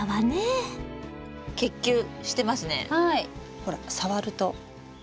ほら触ると。